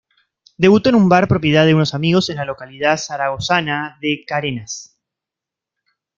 Debutó en un bar propiedad de unos amigos en la localidad zaragozana de Carenas.